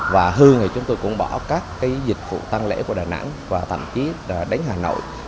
và hương thì chúng tôi cũng bỏ các dịch vụ tăng lễ của đà nẵng và thậm chí đến hà nội